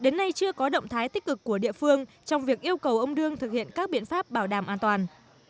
đến nay chưa có động thái tích cực của địa phương trong việc yêu cầu ông đương thực hiện các biện pháp bảo đảm an toàn